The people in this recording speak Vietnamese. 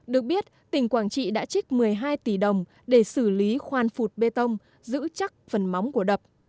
được biết tỉnh quảng trị đã trích một mươi hai tỷ đồng để xử lý khoan phụt bê tông giữ chắc phần móng của đập